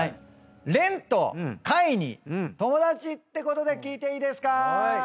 レンとカイに友達ってことで聞いていいですか？